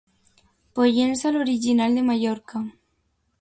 Pollença, l'orinal de Mallorca.